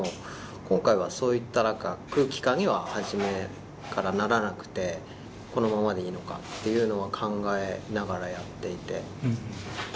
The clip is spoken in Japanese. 今回は、そういったなんか、空気感には初めからならなくて、このままでいいのかっていうのは考えながらやっていて。